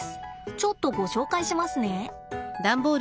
ちょっとご紹介しますね。